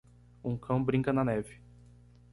Um cão brinca na neve.